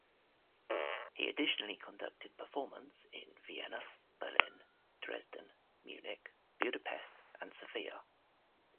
He additionally conducted performance in Vienna, Berlin, Dresden, Munich, Budapest and Sofia.